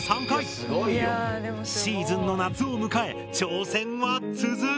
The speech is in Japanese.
シーズンの夏を迎え挑戦は続く。